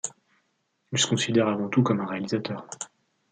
Il se considère avant tout comme un réalisateur.